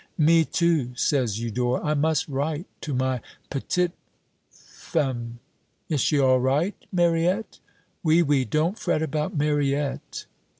"Me too," says Eudore, "I must write to my p'tit' femme." "Is she all right, Mariette?" "Oui, oui, don't fret about Mariette."